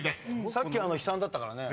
さっき悲惨だったからね